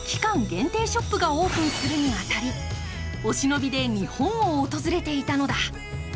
限定ショップがオープンするに当たりお忍びで日本を訪れていたのだ。